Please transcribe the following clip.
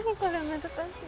難しい。